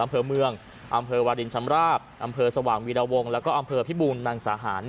อำเภอเมืองอำเภอวาลินชำราบอำเภอสว่างวีรวงแล้วก็อำเภอพิบูรณังสาหาร